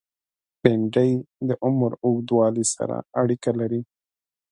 بېنډۍ د عمر اوږدوالی سره اړیکه لري